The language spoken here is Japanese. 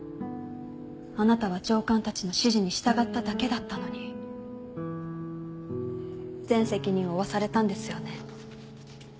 あなたは上官たちの指示に従っただけだったのに全責任を負わされたんですよね？